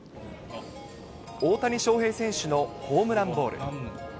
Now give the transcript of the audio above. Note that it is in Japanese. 大谷翔平選手のホームランボール。